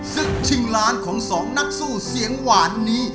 ศึกชิงล้านของสองนักสู้เสียงหวานนี้